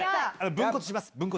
分骨します、分骨。